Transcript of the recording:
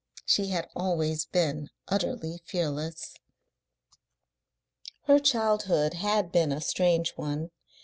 She had always been utterly fearless. Her childhood had been a strange one.